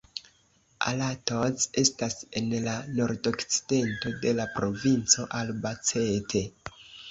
Alatoz estas en la nordokcidento de la provinco Albacete.